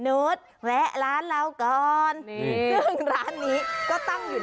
อุ้โห